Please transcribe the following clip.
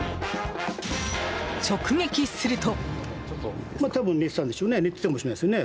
直撃すると。